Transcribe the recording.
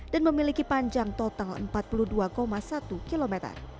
dan memiliki panjang total empat puluh dua satu km